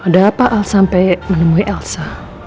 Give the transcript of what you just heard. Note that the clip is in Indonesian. ada apa sampai menemui elsa